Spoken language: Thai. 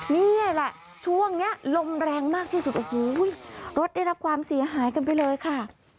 นี่แหละช่วงนี้ลมแรงมากที่สุดโอ้โหรถได้รับความเสียหายกันไปเลยค่ะ